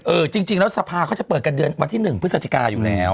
จริงแล้วสภาเขาจะเปิดกันเดือนวันที่๑พฤศจิกาอยู่แล้ว